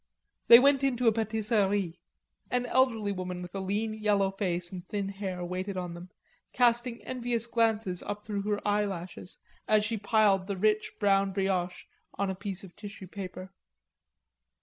They went into a patisserie. An elderly woman with a lean yellow face and thin hair waited on them, casting envious glances up through her eyelashes as she piled the rich brown brioches on a piece of tissue paper.